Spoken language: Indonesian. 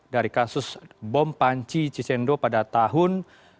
dari kasus bom panci cicendo pada tahun dua ribu tujuh belas